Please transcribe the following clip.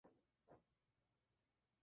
Podían ser tanto masculino como femenino.